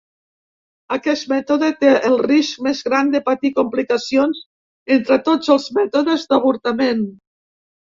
Aquest mètode té el risc més gran de patir complicacions entre tots els mètodes d'avortament.